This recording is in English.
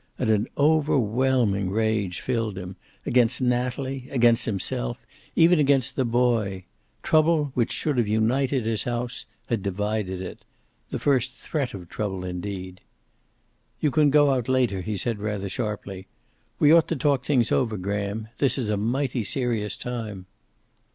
And an overwhelming rage filled him, against Natalie, against himself, even against the boy. Trouble, which should have united his house, had divided it. The first threat of trouble, indeed. "You can go out later," he said rather sharply. "We ought to talk things over, Graham. This is a mighty serious time."